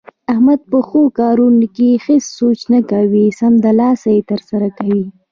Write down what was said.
احمد په ښو کارونو کې هېڅ سوچ نه کوي، سمدلاسه یې ترسره کوي.